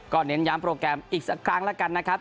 เน้นย้ำโปรแกรมอีกสักครั้งแล้วกันนะครับ